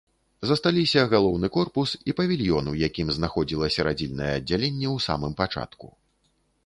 Засталіся галоўны корпус і павільён, у якім знаходзілася радзільнае аддзяленне ў самым пачатку.